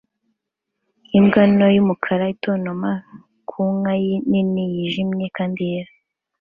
imbwa nto y'umukara itontoma ku nka nini yijimye kandi yera